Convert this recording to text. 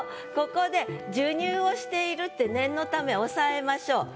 ここで授乳をしているって念のため押さえましょう。